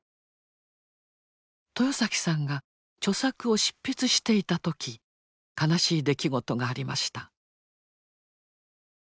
豊さんが著作を執筆していた時悲しい出来事がありました。